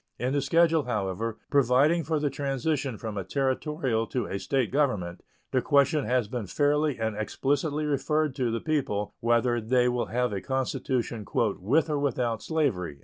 In the schedule, however, providing for the transition from a Territorial to a State government the question has been fairly and explicitly referred to the people whether they will have a constitution "with or without slavery."